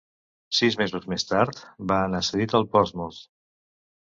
Sis mesos més tard, va anar cedit al Portsmouth.